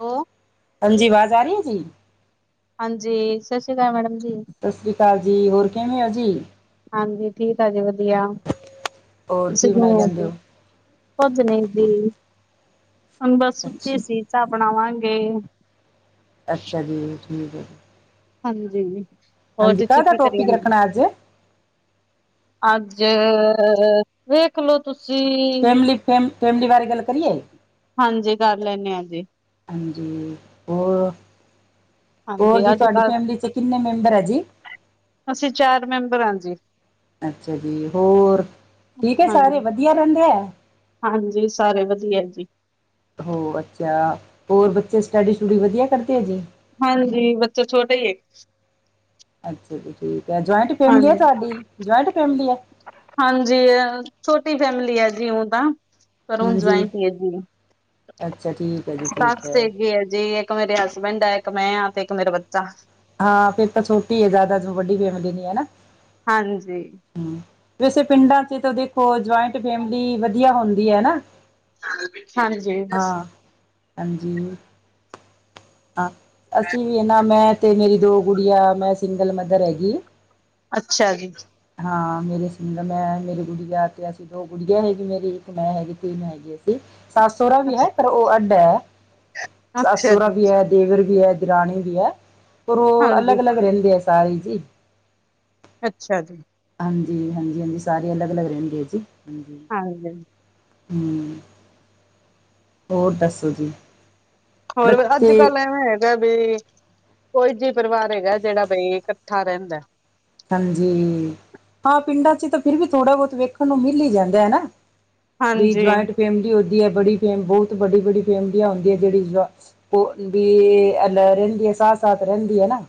ਹੋ ਹਾਂਜੀ, ਅਵਾਜ਼ ਆ ਰਹੀ ਆ ਜੀ? ਹਾਂਜੀ, ਸਤਿ ਸ਼੍ਰੀ ਅਕਾਲ ਮੈਡਮ ਜੀ। ਸਤਿ ਸ਼੍ਰੀ ਅਕਾਲ ਜੀ, ਹੋਰ ਕਿਵੇਂ ਓ ਜੀ? ਹਾਂਜੀ, ਠੀਕ ਆ ਜੀ ਵਧੀਆ, ਹੋਰ ਤੁਸੀਂ ਕੀ ਬਣਾਈ ਕਿਵੇਂ ਓ ਜਾਂਦੇ ਜੀ? ਹੋ ਕੁਝ ਨਹੀਂ ਦੀ, ਹੁਨ ਬਸ ਸੁੱਤੀ ਅੱਛਾ ਸੀ ਚਾ ਬਣਾਵਾਂਗੇ। ਅੱਛਾ ਜੀ, ਠੀਕ ਆ। ਹਾਂਜੀ, ਹੋਰ ਤੁਚੀ ਕਾਹਦਾ ਕੀ ਕਰੀ ਟੋਪਿਕ ਜਾਂ ਰੱਖਣਾ ਅੱਜ ਅੱਜ ਵੇਖਲੋ ਤੁਸੀਂ ਫੇਮ, ਫੈਮਿਲੀ ਬਾਰੇ ਗੱਲ ਕਰੀਏ। ਹਾਂਜੀ, ਕਰ ਲੈਂਨੇ ਆਂ ਜੀ। ਹਾਂਜੀ, ਹੋਰ, ਹੋਰ ਹਾਂਜੀ ਜੀ ਤੁਹਾਡੀ ਫੈਮਿਲੀ'ਚ ਕਿੰਨੇ ਮੈਂਬਰ ਆ ਜੀ? ਅਸੀ ਚਾਰ ਮੈਂਬਰ ਆਂ ਜੀ। ਅੱਛਾ ਜੀ, ਹੋਰ ਠੀਕ ਹੈ ਸਾਰੇ ਹਾਂਜੀ ਵਧੀਆ ਰਹਿੰਦੇ ਐ? ਹਾਂਜੀ, ਸਾਰੇ ਵਧੀਆ ਜੀ। ਹੋ, ਅੱਛਾ, ਹੋਰ ਬੱਚੇ ਸਟੱਡੀ-ਸਟੁਡੀ ਵਧੀਆ ਕਰਦੇ ਆ ਜੀ? ਹਾਂਜੀ, ਬੱਚੇ ਛੋਟੇ ਈ ਏ। ਅੱਛਾ ਜੀ ਠੀਕ ਐ, ਜੁਆਇੰਟ ਫੈਮਿਲੀ ਆ ਹਾਂਜੀ ਤੁਹਾਡੀ, ਜੁਆਇੰਟ ਫੈਮਿਲੀ ਐ? ਹਾਂਜੀ, ਛੋਟੀ ਫੈਮਿਲੀ ਆ ਜੀ ਊ ਤਾਂ। ਪਰ ਹੁਣ ਹਾਂਜੀ ਜੁੌਇੰਟ ਨਹੀਂ ਹੈਗੀ, ਅੱਛਾ ਠੀਕ ਹੈ ਜੀ ਠੀਕ ਸੱਸ ਹੈ ਹੈਗੀ ਆ ਜੀ ਇੱਕ ਮੇਰੇ ਹਸਬੈਂਡ ਆ, ਇੱਕ ''ਮੈਂ ਆਂ ਤੇ ਇੱਕ ਮੇਰਾ ਬੱਚਾ। ਹਾਂ, ਫਿਰ ਤਾਂ ਛੋਟੀ ਆ, ਜ਼ਿਆਦਾ ਵੱਡੀ ਫੇਮਲੀ ਨੀ ਐ ਨਾ। ਹਾਂਜੀ। ਹੂੰ, ਵੈਸੇ ਪਿੰਡਾਂ'ਚ ਤਾਂ ਦੇਖੋ ਜੁਆਇੰਟ ਫੈਮਿਲੀ ਵਧੀਆ ਹੁੰਦੀ ਹੈ ਨਾ। ਹਾਂਜੀ। ਹਾਂ ਹਾਂਜੀ। ਹਾਂ, ਅਸੀਂ ਵੀ ਇਹ ਨਾ ਮੈਂ ਤੇ ਮੇਰੀ ਦੋ ਗੁੜੀਆਂ ਮੈਂ ਸਿੰਗਲ ਮਦਰ ਹੈਗੀ। ਅੱਛਾ ਜੀ। ਹਾਂ, ਮੇਰੇ ਸਿੰਗਲ ਮੈਂ ਮੇਰੇ ਗੁੜੀਆਂ ਤੇ ਅਸੀਂ ਦੋ ਗੁੜੀਆਂ ਹੈਗੀ ਮੇਰੀ ਇੱਕ ਮੈਂ ਹੈਗੀ। ਤਿੰਨ ਹੈਗੀਆਂ ਸੀ, ਸੱਸ-ਸੋਂਰਾ ਵੀ ਹੈ ਪਰ ਉਹ ਅੱਡ ਹੈ ਅੱਛਾ ਸੱਸ-ਸੋਰਾ ਜੀ ਦੇਵਰ ਵੀ ਹੈ ਦਰਾਣੀ ਵੀ ਹੈ, ਪਰ ਉਹ ਹਾਂਜੀ ਅਲੱਗ-ਅਲੱਗ ਰਹਿੰਦੇਂ ਹੈ ਸਾਰੇ ਜੀ। ਅੱਛਾ ਜੀ। ਹਾਂਜੀ-ਹਾਂਜੀ-ਹਾਂਜੀ, ਸਾਰੇ ਅਲੱਗ-ਅਲੱਗ ਰਹਿੰਦੇ ਆ ਜੀ, ਹਾਂਜੀ ਹਾਂਜੀ ਹੂੰ। ਹੋਰ ਦੱਸੋ ਜੀ। ਹੋਰ ਬੱਚੇ ਅੱਜ-ਕੱਲ ਐਵੇਂ ਹੈਗਾ ਬ ਕੋਈ ਜੀ ਪਰਿਵਾਰ ਹੈਗਾ ਜਿਹੜਾ ਬਈ ਇਕੱਠਾਂ ਰਹਿੰਦਾਂ। ਹਾਂਜੀ, ਹਾਂ ਪਿੰਡਾਂ ਚ ਤਾਂ ਫ਼ਿਰ ਵੀ ਥੋੜ੍ਹਾ-ਬਹੁਤ ਵੇਖਣ ਨੂੰ ਮਿਲ ਹੀ ਜਾਂਦਾ ਹੈਨਾ। ਵੀ ਹਾਂਜੀ ਜੋਇੰਟ ਫੈਮਿਲੀ ਹੁੰਦੀਂ ਹੈ, ਬੜੀ ਬਹੁਤ ਬੜੀ--ਬੜੀ ਫੈਮਲੀ ਹੁੰਦੀਂ ਜਿਹੜੀ ਵੀ ਬਈ ਰਹਿੰਦੀ ਹੈ ਸਾਥ-ਸਾਥ ਰਹਿੰਦੀ ਹੈਨਾ।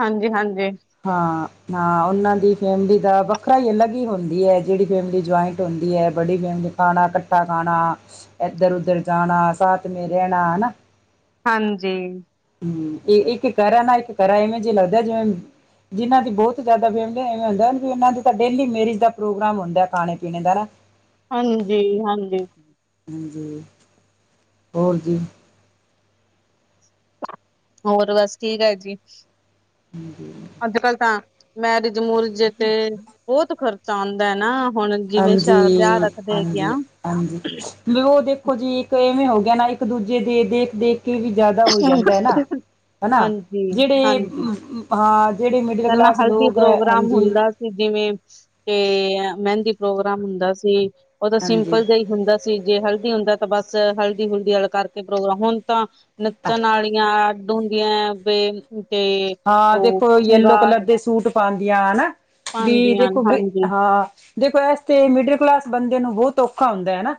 ਹਾਂਜੀ-ਹਾਂਜੀ। ਹਾਂ-ਹਾਂ ਉਹਨਾਂ ਦੀ ਫੈਮਿਲੀ ਦਾ ਵੱਖ਼ਰਾ ਹੀ ਅਲਗ ਹੀ ਹੁੰਦੀ ਹੈ ਜਿਹੜੀ ਫੈਮਿਲੀ ਜੁਇੰਟ ਹੁੰਦੀ ਹੈ, ਬੜੀ ਫੈਮਲੀ ਖਾਣਾਂ, ਇਕੱਠਾਂ ਖਾਣਾਂ। ਇੱਧਰ-ਉੱਧਰ ਜਾਣਾਂ ਸਾਥ ਮੇ ਰਹਿਣਾਂ ਹੈਨਾ। ਹਾਂਜੀ। ਹੂੰ, ਇੱਕ ਘਰ ਨਾ ਇੱਕ ਘਰਾ ਇਵੇਂ ਜਿਹਾ ਲੱਗਦਾ ਜਿਵੇਂ ਜਿਨ੍ਹਾਂ ਦੀ ਬਹੁਤ ਜ਼ਿਆਦਾ ਫੈਮਿਲੀ ਇਵੇ ਹੁੰਦਾ ਇਹਨਾਂ ਦੇ ਤਾਂ ਡੇਲੀ ਮੇਰਿਜ ਦਾ ਪ੍ਰੋਗਰਾਮ ਹੁੰਦਾ ਖਾਂਣੇ-ਪੀਣੇ ਦਾ ਨਾ। [inaudible] ਹਾਂਜੀ-ਹਾਂਜੀ। ਹਾਂਜੀ, ਹੋਰ ਜੀ। ਹੋਰ ਬਸ ਠੀਕ ਹੈਜੀ। ਹਾਂਜੀ। ਅੱਜ-ਕੱਲ੍ਹ ਤਾਂ ਮੈਰਿਜ਼-ਮੂਰਜੇ ਤੇ ਬਹੁਤ ਖ਼ਰਚਾ ਆਉਂਦਾ ਹੈਨਾ ਹੁਣ ਜਿਵੇਂ ਵਿਆਹ ਰੱਖਦੇ ਹੈਗੇ ਆ ਹਾਂਜੀ-ਹਾਂਜੀ-ਹਾਂਜੀ। ਵੀ ਉਹ ਦੇਖੋਂ ਜੀ ਇੱਕ ਇਵੇਂ ਹੋ ਗਿਆਂ ਨਾ ਇੱਕ-ਦੂੱਜੇ ਦੇ ਦੇਖ-ਦੇਖ ਦੇਖ ਕੇ ਵੀ ਜ਼ਿਆਦਾ ਹੋ ਜਾਂਦਾ ਨਾ ਹੈਨਾ ਹਾਂਜੀ ਜਿਹੜੇ ਹਾਂਜੀ ਹਾਂ, ਜਿਹੜੇ ਮਿਡਲ ਪਹਿਲਾਂ ਕਲਾਸ ਹਲਦੀ ਲੋਕ ਹੈ ਪ੍ਰੋਗਰਾਮ ਹਾਂਜੀ। ਹੁੰਦਾ ਜਿਵੇਂ ਤੇ ਮਹਿੰਦੀ ਪ੍ਰੋਗਰਾਮ ਹੁੰਦਾਂ ਸੀ, ਉਹ ਤਾਂ ਹਾਂਜੀ। ਸਿੰਪਲ ਜਿਹੇ ਹੀ ਹੁੰਦਾ ਸੀ ਜੇ ਹਲਦੀ ਹੁੰਦਾਂ ਤਾਂ ਬਸ ਹਲਦੀ-ਹੁਲਦੀ ਵਾਲਾ ਕਰਕੇ ਪ੍ਰੋਗਰਾਮ ਹੁਣ ਤਾਂ ਨੱਚਣ ਨਾਲ਼ ਹੀ ਯਾ ਅੱਡ ਹੁੰਦੀਆਂ ਜਾਂ ਤੇ-ਤੇ ਹਾਂ, ਦੇਖੋਂ ਯੈਲੋ ਕਲਰ ਦੇ ਸੂਟ ਪਾਉਂਦੀਆਂ ਹੈਨਾ ਵੀ ਪਾਉਂਦੀਆਂ ਨੇ ਦੇਖੋਂ ਬਈ ਹਾਂਜੀ ਹਾਂ ਦੇਖੋ ਇਸ ਤੇ ਮਿਡਲ ਕਲਾਸ ਬੰਦੇ ਨੂੰ ਬਹੁਤ ਔਖਾਂ ਹੁੰਦਾਂ ਹੈਨਾ।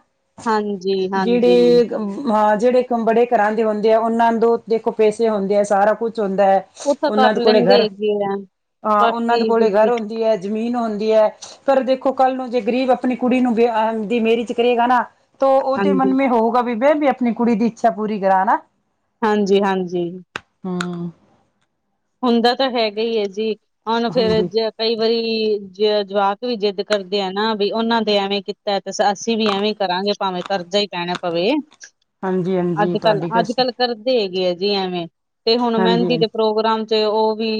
ਹਾਂਜੀ ਹਾਂਜੀ ਜਿਹੜੇ ਹਾਂ ਜਿਹੜੇ ਬੜੇ ਘਰਾਂ ਦੇ ਹੁੰਦੇ ਆ ਉਹਨਾਂ ਤੋਂ ਦੇਖੋ ਪੈਸੇ ਹੁੰਦੇ ਆ ਸਾਰਾਂ ਕੁੱਛ ਹੁੰਦਾ ਹੈ ਉਹ ਤਾਂ ਉਹਨਾਂ ਕਰ ਦੇ ਕੋਲੇ ਇਹ ਘਰ ਲੈਂਦੇ ਹੁੰਦੀ ਹੈਗੇ ਆ ਹੈਗਾ ਹਾਂ ਉਹਨਾਂ ਬਾਕੀ ਦੇ ਕੋਲੇ ਹੈਗਾ ਦੂਜੇ ਉਂਝ ਹੀ ਹੈ ਜ਼ਮੀਨ ਹੁੰਦੀ ਹੈ ਪਰ ਦੇਖੋਂ ਕੱਲ ਨੂੰ ਜੇ ਗਰੀਬ ਆਪਣੀ ਕੁੜੀ ਨੂੰ ਵਿਆਹੁਣ ਮੈਰਿਜ ਕਰੇਂਗਾ ਨਾ ਤੋ ਉਹ ਦੇ ਮਨ ਹਾਂਜੀ ਮੇ ਹੋਊਗਾ ਵੀ ਮੈਂ ਵੀ ਆਪਣੀਂ ਕੁੜੀ ਦੀ ਇੱਛਾ ਪੂਰੀ ਕਰਾਂ ਹੈਨਾ। ਹਾਂਜੀ-ਹਾਂਜੀ। ਹੂੰ। ਹੁੰਦਾਂ ਤਾਂ ਹੈਗਾ ਹੀਂ ਹੈ ਜੀ ਹੁਣ ਫੇਰ ਹਾਂਜੀ ਜ ਕਈ ਵਾਰੀ ਜ ਜਵਾਕ ਵੀ ਜ਼ਿੱਦ ਕਰਦੇਂ ਆ ਨਾ ਵੀ ਉਨਾਂ ਦੇ ਐਵੇ ਕੀਤਾ। ਤੇ ਅਸੀਂ ਵੀ ਐਵੇਂ ਹੀ ਕਰਾਂਗੇ ਭਾਵੇਂ ਕਰਜ਼ਾ ਹੀ ਪੈਣਾ ਪਵੇਂ। ਹਾਂਜੀ ਹਾਂਜੀ ਅੱਜ ਕੱਲ, ਤੁਹਾਡੀ ਅੱਜ ਗੱਲ ਕੱਲ ਕਰਦੇ ਹੈਗੇ ਆ ਜੀ ਐਵੇ ਤੇ ਹੁਣ ਹਾਂਜੀ ਮਹਿੰਦੀ ਹਾਂਜੀ ਦੇ ਪ੍ਰੋਗਰਾਮ ਤੇ ਉਹ ਵੀ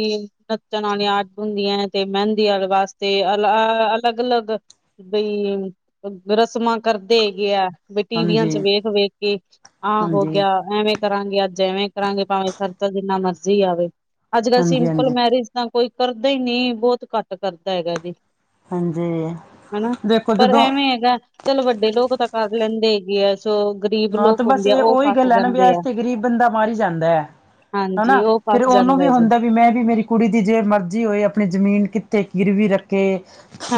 ਨੱਚਣ ਆਲੀਆ ਅੱਡ ਹੁੰਦੀਆਂ ਹੈ ਤੇ ਮਹਿੰਦੀ ਵਾਲੀਆ ਵਾਸਤੇ ਅ ਅਲੱਗ-ਅਲੱਗ ਬਈ ਰਸਮਾ ਕਰਦੇ ਹੈਗੇ ਆ। ਬਈ ਟੀਵੀਆ ਹਾਂਜੀ ਚ ਵੇਖ-ਵੇਖ ਕੇ ਆਹ ਹੋ ਹਾਂਜੀ ਗਿਆ ਐਵੇ ਕਰਾਂਗੇ ਅੱਜ ਐਵੇ ਕਰਾਂਗੇ ਭਾਵੇਂ ਖ਼ਰਚਾ ਜਿੰਨਾ ਮਰਜ਼ੀ ਆਵੇ ਅੱਜ ਕੱਲ੍ਹ ਹਾਂਜੀ ਸਿੰਪਲ ਹਾਂਜੀ ਮੈਰਿਜ਼ ਤਾ ਕੋਈ ਕਰਦਾ ਹੀ ਨੀ ਬੋਹਤ ਘੱਟ ਕਰਦਾ ਹੈਗਾ ਜੀ। ਹਾਂਜੀ ਹਨਾ ਦੇਖੋ ਪਰ ਜਦੋਂ ਐਵੇ ਹੈਗਾ ਚਲ ਵੱਡੇ ਲੋਕ ਤਾ ਕਰ ਲੈਂਦੇ ਹੈਗੇ ਆ। ਜੋ ਗ਼ਰੀਬ ਹਾਂ ਲੋਕ ਤੇ ਬਸ ਹੁੰਦੇ ਆ ਇਹ ਉਹ ਉਹੀ ਫਸ ਗੱਲ ਹੈ ਨਾ ਵੀ ਜਾਂਦੇ ਆ। ਇਸਤੇ ਗ਼ਰੀਬ ਬੰਦਾ ਮਰ ਹੀ ਜਾਂਦਾ ਹੈ ਹਨਾ ਹਾਂਜੀ ਉਹ ਫਿਰ ਫਸ ਉਹਨੂੰ ਜਾਂਦਾ ਵੀ ਹੈ ਜੀ ਹੁੰਦਾ ਵੀ ਮੈਂ ਵੀ ਮੇਰੀ ਕੁੜੀ ਦੀ ਜੇ ਮਰਜ਼ੀ ਹੋਏ ਆਪਣੀ ਜ਼ਮੀਨ ਕਿੱਥੇ ਗਰਵੀ ਰੱਖੇ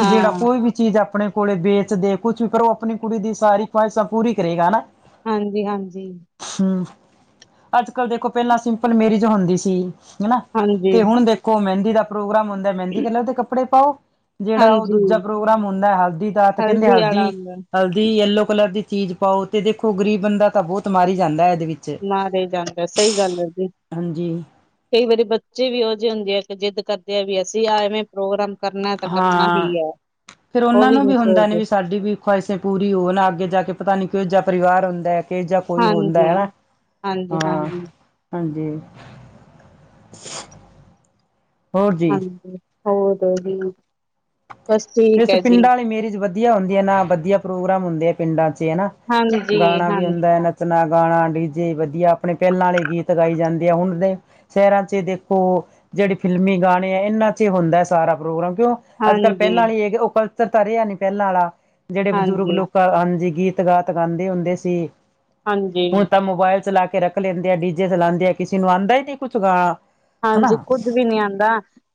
ਜਿਹੜਾ ਕੋਈ ਵੀ ਚੀਜ਼ ਆਪਣੇ ਕੋਲੇ ਵੇਚਦੇ ਕੁਛ ਵੀ ਕਰੋ ਆਪਣੀ ਕੁੜੀ ਦੀ ਸਾਰੀ ਖਹਿਸ਼ਾਂ ਪੂਰੀ ਕਰੇਗਾ ਹਨਾ। ਹਾਂਜੀ-ਹਾਂਜੀ ਹਮ ਅੱਜ ਕੱਲ ਦੇਖੋ ਪਹਿਲਾਂ ਸਿੰਪਲ ਮੇਰਿਜ ਹੁੰਦੀ ਸੀ ਹਨਾ ਹਾਂਜੀ ਤੇ ਹੁਣ ਦੇ ਮਹਿੰਦੀ ਦਾ ਪ੍ਰੋਗਰਾਮ ਹੁੰਦਾ ਮਹਿੰਦੀ ਕਲਰ ਦੇ ਕੱਪੜੇ ਪਾਓ। ਜਿਹੜਾ ਉਹ ਹਾਂਜੀ ਦੂਜਾ ਪ੍ਰੋਗਰਾਮ ਹੁੰਦਾ ਹਲਦੀ ਦਾ ਤੇ ਕਹਿੰਦੇ ਵਾਲਾ ਹਲਦੀ ਆਂਦਾ ਹਲਦੀ ਯੈਲੋ ਕਲਰ ਦੀ ਚੀਜ਼ ਪਾਓ ਤੇ ਦੇਖੋ ਗਰੀਬ ਬੰਦਾ ਤਾਂ ਬੌਤ ਮਾਰ ਹੀ ਜਾਂਦਾ ਇਹਦੇ ਵਿੱ ਮਾਰ ਹੀ ਜਾਂਦਾ ਸਹੀ ਗੱਲ ਹੈ ਜੀ। ਹਾਂਜੀ ਕਈ ਵਾਰੀ ਬੱਚੇ ਵੀ ਇਹੋ ਜਿਹੇ ਹੁੰਦੇ ਆ ਕਿ ਜਿੱਦ ਕਰਦੇ ਆ ਵੀ ਅਸੀਂ ਆ ਐਵੇ ਪ੍ਰੋਗਰਾਮ ਕਰਨਾ ਤੇ ਕਰਨਾ ਹੀ ਹਾਂ ਹੈ ਉਹ ਵੀ ਨੀ ਸੋਚਦੇ। ਖੁਵਾਹਿਸ਼ਾਂ ਪੂਰੀ ਹੋਣ ਅੱਗੇ ਜਾ ਕੇ ਪਤਾ ਨੀ ਕਿਹੋ ਜਿਹਾ ਪਰਿਵਾਰ ਹੁੰਦਾ। ਕਿ ਜਾਂ ਕੋਈ ਹੁੰਦਾ ਹਾਂਜੀ ਹਨਾ ਹਾਂਜੀ ਹਾਂ। ਹਾਂਜੀ ਹਾਂਜੀ ਹੋਰ ਜੀ ਹਾਂਜੀ [unintelligible] ਬਸ ਠੀਕ ਵੈਸੇ ਹੈ ਜੀ ਪਿੰਡਾ ਵਾਲੇ ਮੇਰਿਜ ਵਧੀਆ ਹੁੰਦੀ ਆ ਨਾ ਵਧੀਆ ਪ੍ਰੋਗਰਾਮ ਹੁੰਦੇ ਆ ਪਿੰਡਾ ਚ ਹਨਾ। ਹਾਂਜੀ ਗਾਣਾ ਵੀ ਹਾਂਜੀ ਹੁੰਂਦਾ ਨੱਚ ਚਣਾ, ਗਾਣਾ, ਡੀਜੇ ਵਧੀਆ ਆਪਣੇ ਪਹਿਲਾ ਵਾਲੇ ਗੀਤ ਗਏ ਜਾਂਦੇ ਆ ਹੁਣ ਦੇ ਸ਼ਹਿਰਾਂ ਚ ਦੇਖੋ ਜਿਹੜੇ ਫਿਲਮੀ ਗਾਣੇ ਆ ਇਹਨਾ ਚ ਹੁੰਦਾ ਸਾਰਾ ਪ੍ਰੋਗਰਾਮ ਕਿਉ। ਅੱਜ ਕੱਲ ਹਾਂਜੀ ਪਹਿਲਾਂ ਆਲਾ ਹੀ ਹੈਗੇ ਉਹ ਕਲਚਰ ਤਾਂ ਰਿਹਾ ਨੀ ਪਹਿਲਾ ਆਲਾ ਜਿਹੜੇ ਬਜ਼ੁਰਗ ਹਾਂਜੀ ਲੋਕਾਂ ਹਾਂਜੀ ਗੀਤ ਗਾਤ ਗਾਉਂਦੇ ਹੁੰਦੇ ਸੀ ਹਾਂਜੀ ਹੁਣ ਤਾ ਮੋਬਾਇਲ ਚਲਾ ਕੇ ਰੱਖ ਲੈਂਦੇ ਆ ਡੀਜੇ ਚਲਾਉਦੇ ਆ ਕਿਸੇ ਨੂੰ ਆਂਦਾ ਹੀ ਨੀ ਕੁਛ ਗਾ ਹਾਂਜੀ ਕੁੱਝ ਵੀ ਨੀ ਆਂਦਾ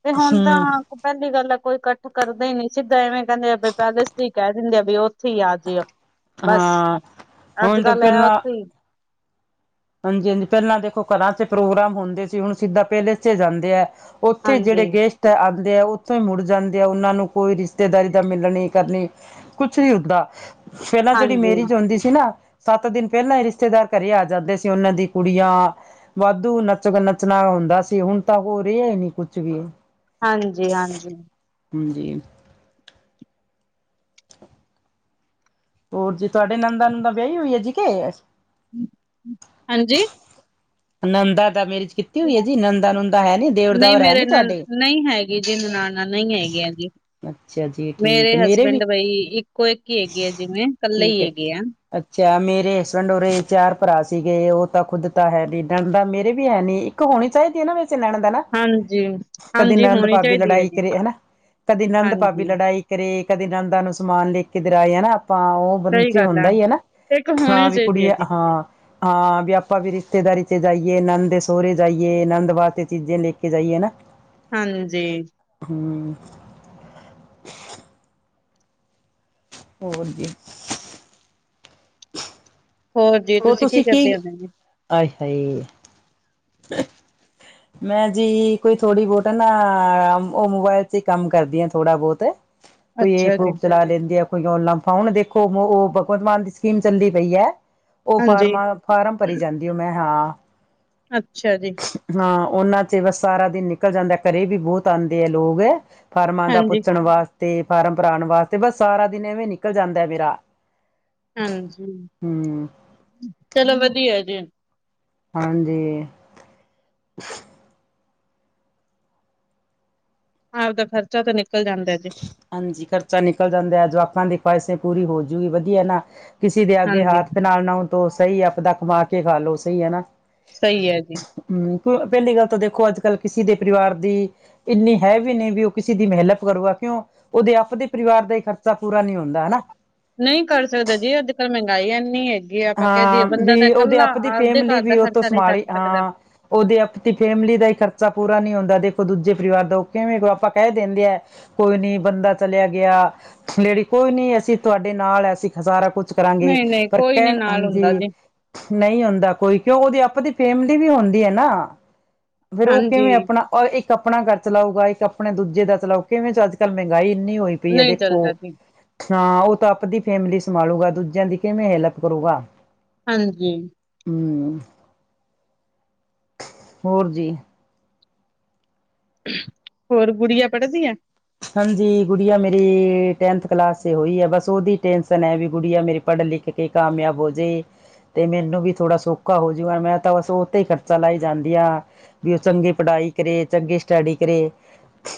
ਤੇ ਹੁਣ ਤਾਂ ਹਮ ਪਹਿਲੀ ਗੱਲ ਕੋਈ ਕੱਠ ਕਰਦੇ ਹੀ ਨੀ ਸਿੱਧਾ ਇਵੇਂ ਕਹਿੰਦੇ ਆ ਬ ਪੈਲੇਿਸ ਹੀ ਕਹਿ ਦਿੰਦੇ ਆ ਵੀ ਉੱਥੇ ਹੀ ਆ ਜੇਓ। ਬਸ ਹਾਂ ਅੱਜ ਹੁਣ ਤਾਂ ਕੱਲ ਆ ਉੱਥੇ ਹੀ ਹਾਂਜੀ-ਹਾਂਜੀ ਪਹਿਲਾਂ ਦੇਖੋ ਘਰਾਂ ਚ ਪ੍ਰੋਗਰਾਮ ਹੁੰਦੇ ਸੀ ਹੁਣ ਸਿੱਧਾ ਪੈਲਸ ਚ ਜਾਂਦੇ ਆ। ਉੱਥੇ ਹਾਂਜੀ ਜਿਹੜੇ ਗੈਸਟ ਆਂਦੇ ਆ ਉਥੋਂ ਹੀ ਮੁੜ ਜਾਂਦੇ ਆ ਉਹਨਾਂ ਨੂੰ ਕੋਈ ਰਿਸ਼ਤੇਦਾਰੀ ਦਾ ਮਿਲਣੀ ਕਰਨੀ ਕੁਛ ਨੀ ਹੁੰਦਾ। ਪਹਿਲਾ ਜਿਹੜੀ ਹਾਂਜੀ ਮੇਰਿਜ ਹੁੰਦੀ ਸੀ ਨਾ ਸੱਤ ਦਿਨ ਪਹਿਲਾ ਹੀ ਰਿਸ਼ਤੇਦਾਰ ਘਰੇ ਆ ਜਾਂਦੇ ਸੀ। ਉਹਨਾਂ ਦੀ ਕੁੜੀਆਂ ਵਾਧੂ ਨੱਚ ਨੱਚਣਾ ਹੁੰਦਾ ਸੀ ਹੁਣ ਤਾ ਉਹ ਰਿਹਾ ਹੀ ਨਈ ਕੁਛ ਵੀ। ਹਾਂਜੀ-ਹਾਂਜੀ ਹਾਂਜੀ ਹੋਰ ਜੀ ਤੁਹਾਡੇ ਨਣਦਾ ਨੁਣਦਾ ਵਿਆਹੀ ਹੋਈ ਹੈ ਜੀ ਕਿ ਹਾਂਜੀ ਨਣਦਾ ਦਾ ਮੇਰਿਜ ਕੀਤੀ ਹੋਈ ਹੈ ਜੀ ਨਣਦਾ ਨੁਣਦਾ ਹੈ ਨੀ ਦੇਵਰ ਨਹੀਂ ਦਾਵਰ ਹੈ ਮੇਰੇ ਨੀ ਨਨ ਤੁਹਾਡੇ ਨਹੀਂ ਹੈਗੀ ਜੀ ਨਨਾਣਾ ਨਹੀਂ ਹੈਗੀਆਂ ਜੀ ਅੱਛਾ ਜੀ ਠੀਕ ਮੇਰੇ ਵੀ ਹਸਬੈਂਡ ਬਈ ਇੱਕੋ ਇੱਕ ਹੀ ਹੈਗੇ ਆ ਜਿਵੇਂ ਕੱਲੇ ਠੀਕ ਹੀ ਹੈ। ਹੈਗੇ ਆ ਅੱਛਾ ਮੇਰੇ ਹਸਬੈਂਡ ਉਰੇ ਚਾਰ ਭਰਾ ਸੀਗੇ ਉਹ ਤਾਂ ਖੁੱਦ ਤਾਂ ਹੈ ਨੀ। ਨਣਦਾ ਮੇਰੇ ਵੀ ਹੈ ਨੀ ਇੱਕ ਹੋਣੀ ਚਾਹੀਦੀ ਹੈ ਨਾ ਵੈਸੇ ਨਣਦ ਨਾ ਹਾਂਜੀ ਕਦੇ ਹਾਂਜੀ ਨਣਦ ਹੋਣੀ ਭਾਬੀ ਚਾਹੀਦੀ ਹੈ ਲੜਾਈ ਜੀ ਕਰੇ ਹਨਾ ਕਦੇ ਨਣਦ ਭਾਬੀ ਹਾਂਜੀ ਲੜਾਈ ਕਦੇ ਨਣਦਾ ਨੂੰ ਸਮਾਨ ਲਿਖ ਕਿਧਰ ਆਏ ਆ ਨਾ ਆਪਾਂ ਉਹ ਸਹੀ ਚੇ ਗੱਲ ਹੁੰਦਾ ਆ ਈ ਹੈ ਨਾ ਇੱਕ ਹੋਣੀ ਹਾਂ ਵੀ ਚਾਹੀਦੀ ਹੈ ਕੁੜੀਆਂ ਜੀ ਹਾਂ ਹਾਂ ਵੀ ਆਪਾਂ ਵੀ ਰਿਸ਼ਤੇਦਾਰੀ ਜਾਈਏ ਨਣਦ ਦੇ ਸਹੁਰੇ ਜਾਈਏ ਨਨਦ ਵਾਸਤੇ ਚੀਜ਼ਾਂ ਲੇ ਕੇ ਜਾਈਏ ਹੈਨਾ ਹਾਂਜੀ [inaudible] ਹੋਰ ਜੀ ਜੀ, ਹੋਰ, ਤੁਸੀਂ ਕੀ ਕਰਦੇ ਹੁੰਦੇ ਜੀ? ਆਏ ਹਾਏ ਮੈਂ ਜੀ ਕੋਈ ਥੋੜੀ ਬੋਤ, ਨਾ ਉਹ ਮੋਬਾਇਲ ਚ ਹੀ ਕੰਮ ਕਰਦੀ ਆ, ਥੋੜਾ ਬੋਤ ਕੋਈ ਅੱਛਾ ਏਪ ਜੀ, ਊਪ ਚਲਾ ਲੈਂਦੀ ਆ ਕੋਈ ਲੰਫਾ ਹੁਣ ਦੇਖੋ, ਓ ਭਗਵੰਤ ਮਾਨ ਦੀ ਸਕੀਮ ਚੱਲਦੀ ਪਈ ਐ, ਓ ਹਾਂਜੀ, ਫਾਰਮਾਂ ਫਾਰਮ ਭਰੀ ਜਾਂਦੀ ਓ ਮੈਂ ਹਾਂ ਅੱਛਾ ਜੀ। ਹਾਂ, ਉਹਨਾਂ ਚ ਬਸ ਸਾਰਾ ਦਿਨ ਨਿਕਲ ਜਾਂਦਾ ਘਰੇ ਵੀ ਬੋਤ ਆਉਂਦੇ ਆ ਲੋਗ ਫਾਰਮਾਂ ਦਾ ਹਾਂਜੀ, ਪੁੱਛਣ ਵਾਸਤੇ, ਫਾਰਮ ਭਰਾਉਣ ਵਾਸਤੇ ਬਸ ਸਾਰਾ ਦਿਨ ਐਵੇਂ ਨਿਕਲ ਜਾਂਦਾ ਮੇਰਾ ਹਾਂਜੀ, ਹਮ ਚਲੋ ਵਧੀਆ ਜੀ ਹਾਂ ਜੀ, ਆਪਦਾ ਖਰਚਾ ਤਾਂ ਨਿਕਲ ਜਾਂਦਾ ਜੇ ਹਾਂਜੀ ਖਰਚਾ ਨਿਕਲ ਜਾਂਦਾ ਜਵਾਕਾਂ ਦੀ ਖੁਵਾਇਸੇ਼ ਪੂਰੀ ਹੋਜੂਗੀ ਵਧੀਆ ਨਾ ਕਿਸੇ ਦੇ ਅਗੇ ਹਾਂਜੀ, ਹੱਥ ਨਾਲ ਨਾਓ ਤੋ ਸਈ ਆਪਦਾ ਕਮਾ ਕੇ ਖਾ ਲਓ, ਸਈ ਹੈ ਨਾ ਸਈ ਹੈ, ਜੀ ਹੂੰ, ਪਹਿਲੀ ਗੱਲ ਤਾਂ ਦੇਖੋ ਅੱਜ-ਕੱਲ ਕਿਸੀ ਦੇ ਪਰਿਵਾਰ ਦੀ ਇੰਨੀ ਹੈ ਵੀ ਨਹੀਂ ਵੀ ਉਹ ਕਿਸੇ ਦੀ ਹੈਲਪ ਕਰੂਗਾ ਕਿਉਂ, ਓਦੇ ਆਪਦੇ ਪਰਿਵਾਰ ਦਾ ਹੀ ਖਰਚਾ ਪੂਰਾ ਨਈ ਹੁੰਦਾ, ਹੈ ਨਾ ਨਈ ਕਰ ਸਕਦੇ ਜੀ, ਅੱਜ-ਕੱਲ ਮਹਿੰਗਾਈ ਐੰਨੀ ਐ ਜੇ ਆਪਾਂ ਕੈ ਦਈਏ ਹਾਂ ਬੰਦਾ ਤਾਂ ਵੀ ਉਹਦੇ ਕੱਲਾ, ਆਪਦੀ ਆਪਦੇ ਘਰ ਦਾ ਖਰਚਾ ਨਈ ਚੱਕ ਸਕਦਾ ਓਦੇ ਆਪਦੀ ਫੈਮਿਲੀ ਦਾ ਹੀ ਖਰਚਾ ਪੂਰਾ ਨਈ ਹੁੰਦਾ, ਦੇਖੋ ਦੂਜੇ ਪਰਿਵਾਰ ਦਾ ਓ ਕਿਵੇਂ ਕਰੂ ਆਪਾਂ ਕੈ ਦਿੰਦੇ ਆ ਕੋਈ ਨੀ ਬੰਦਾ ਚਲਿਆ ਗਿਆ, ਲੇਡੀ ਕੋਈ ਨੀ ਅਸੀਂ ਤੁਹਾਡੇ ਨਾਲ ਐਸੀ ਸਾਰਾ ਕੁਛ ਕਰਾਂਗੇ, ਨਹੀਂ-ਨਹੀਂ ਪਰ ਕੋਈ ਨੀ ਕਹਿਣ ਨਾਲ ਹੁੰਦਾ ਜੀ, ਨਈ ਹੁੰਦਾ ਕੋਈ, ਕਿਉਂ ਉਹਦੀ ਆਪਦੀ ਫੈਮਿਲੀ ਵੀ ਹੁੰਦੀ ਐ ਨਾ ਫਿਰ ਉਹ ਹਾਂਜੀ, ਕਿਵੇਂ ਆਪਣਾ ਔਰ ਇੱਕ ਆਪਣਾ ਘਰ ਚਲਾਊਗਾ ਇੱਕ ਆਪਣੇ ਦੂਜੇ ਦਾ ਚਲਾਉ ਕਿਵੇਂ ਚ ਅੱਜ-ਕਲ ਮਹਿੰਗਾਈ ਇਨੀ ਹੋਈ ਪਈ ਆ ਨਹੀਂ ਦੇਖੋ, ਚੱਲਦਾ ਜੀ, ਹਾਂ ਉਹ ਤਾਂ ਆਪਦੀ ਫੈਮਿਲੀ ਸੰਭਾਲੂਗਾ ਦੂਜਿਆਂ ਦੀ ਕਿਵੇਂ ਹੈਲਪ ਕਰੂਗਾ ਹਾਂ ਜੀ, ਹੂੰ, ਹੋਰ ਜੀ ਹੋਰ ਗੁੜੀਆਂ ਪੜਦੀ ਐ ਹਾਂਜੀ ਗੁੜੀਆ ਮੇਰੀ, ਟੈਂਨਥ ਕਲਾਸ ਚ ਹੋਈ ਹੈ ਬਸ ਉਹਦੀ ਟੈਂਸ਼ਨ ਹੈ ਵੀ ਗੁੜੀਆ ਮੇਰੀ ਪੜ ਲਿਖ ਕੇ ਕਾਮਯਾਬ ਹੋਜੇ ਤੇ ਮੈਨੂੰ ਵੀ ਥੋੜਾ ਸੌਖਾ ਹੋਜੂ ਮੈਂ ਤਾਂ ਬਸ ਓਤੇ ਈ ਖਰਚਾ ਲਾਈ ਜਾਂਦੀ ਆ। ਵੀ ਓ ਚੰਗੀ ਪੜ੍ਹਾਈ ਕਰੇ ਚੰਗੀ ਸਟੱਡੀ ਕਰੇ,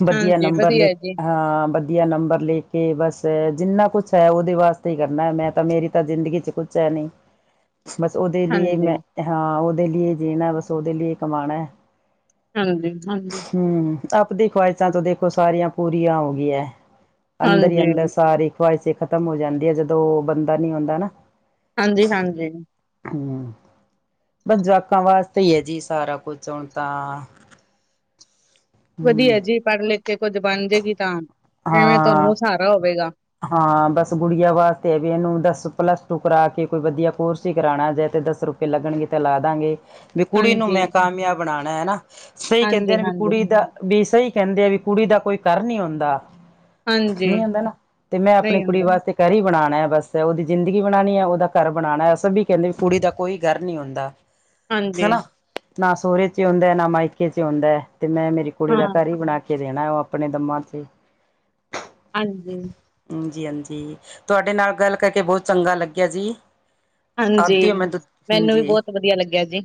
ਵਦੀਆ ਹਾਂਜੀ, ਨੰਬਰ ਲੇ ਵਧੀਆ ਜੀ, ਹਾਂ ਵਦੀਆ ਨੰਬਰ ਲੇ ਕੇ ਬਸ ਜਿੰਨਾ ਕੁਛ ਐ ਓਦੇ ਵਾਸਤੇ ਈ ਕਰਨੈ ਮੈਂ ਤਾਂ ਮੇਰੀ ਤਾਂ ਜ਼ਿੰਦਗੀ ਚ ਕੁਚ ਹੈ ਨੀ। ਬਸ ਓਦੇ ਲੀਏ ਮੈਂ, ਹਾਂਜੀ, ਹਾਂ ਓਦੇ ਲੀਏ ਜੀਨੈ ਬਸ ਓਦੇ ਲੀਏ ਕਮਾਨੈ। ਹਾਂਜੀ-ਹਾਂਜੀ। ਹੂੰ, ਆਪਦੀ ਖਵਾਇਤਾਂ ਤਾ ਦੇਖੋ ਸਾਰੀਆਂ ਪੂਰੀਆਂ ਹੋ ਗੀਆਂ। ਅੰਦਰ ਈ ਅੰਦਰ ਹਾਂਜੀ, ਸਾਰੀ ਖੁਵਾਇਸੇ਼ ਖ਼ਤਮ ਹੋ ਜਾਂਦੀ ਐ ਜਦੋਂ ਓ ਬੰਦਾ ਨੀ ਔਂਦਾ ਨਾ। ਹਾਂਜੀ-ਹਾਂਜੀ। ਹੂੰ, ਬਸ ਜਵਾਕਾਂ ਵਾਸਤੇ ਈ ਐ ਜੀ ਸਾਰਾ ਕੁਛ ਹੁਨ ਤਾਂ ਹੂੰ, ਵਦੀਐ ਜੀ ਪੜ ਲਿਖ ਕੇ ਕੁੱਝ ਬਨਜੇ ਗੀ ਤਾਂ ਇਵੇਂ ਹਾਂ ਤੁਹਾਨੂੰ ਸਹਾਰਾ ਹੋਵੇਗਾ ਹਾਂ, ਬਸ ਗੁੜੀਆਂ ਵਾਸਤੇ ਵੀ ਏਨੂੰ ਦਸ ਪਲੱਸ ਟੂ ਕਰਾ ਕੇ ਕੋਈ ਵਦੀਆ ਕੋਰਸ ਈ ਕਰਾਨਾ ਜੇ ਤੇ ਦਸ ਰੁਪ ਲਗਨਗੇ ਤਾਂ ਲਾਦਾਂਗੇ। ਵੀ ਕੁੜੀ ਨੂੰ ਹਾਂਜੀ ਮੈਂ ਕਾਮਯਾਬ ਬਨਾਨੈ ਹਨਾ, ਸਈ ਕੈਂਦੇ ਐ ਹਾਂਜੀ ਨਾ ਹਾਂਜੀ ਕੁੜੀ ਦਾ ਵੀ ਸਈ ਕੈਂਦੇ ਆ ਵੀ ਕੁੜੀ ਦਾ ਕੋਈ ਕਰ ਨੀ ਹੁੰਦਾ। ਹਾਂਜੀ ਨਈ ਹੁੰਦਾ ਨਾ, ਤੇ ਮੈਂ ਆਪਨੀ ਨਹੀਂ ਕੁੜੀ ਹੁੰਦਾ ਵਾਸਤੇ ਕਰ ਈ ਬਨਾਨੈ ਬਸ ਓਦੀ ਜ਼ਿੰਦਗੀ ਬਨਾਨੀ ਐ ਓਦਾ ਘਰ ਬਨਾਨਾ ਸਬੀ ਕੈਂਦੇ ਕੁੜੀ ਦਾ ਕੋਈ ਘਰ ਨਈ ਹੋਂਦਾ। [inaudible] ਹਾਂਜੀ ਹਨਾ, ਨਾ ਸੋਰੇ ਚੇ ਹੋਂਦੈ ਨਾ ਮਾਇਕੇ ਚੇ ਹੋਂਦੈ ਤੇ ਮੈਂ ਮੇਰੀ ਕੁੜੀ ਹਾਂ ਦਾ ਘਰ ਈ ਬਨਾ ਕੇ ਦੇਨੈ ਓ ਆਪਨੇ ਦਮਾਂ ਚੇ ਹਾਂਜੀ। ਹਾਂਜੀ-ਹਾਂਜੀ, ਤੁਆਡੇ ਨਾਲ ਗੱਲ ਕਰਕੇ ਬੋਤ ਚੰਗਾ ਲੱਗੇਆ ਜੀ। ਹਾਂਜੀ, ਆਉਂਦੀ ਮੈਂ ਮੈਨੂੰ ਵੀ ਹਾਂਜੀ ਬੋਤ ਵਦੀਆ ਲੱਗੇਆ ਜੀ।